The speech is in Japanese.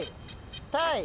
タイ。